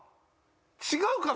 違うかな？